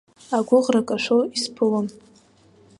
Агәыӷра кәашо исԥылон.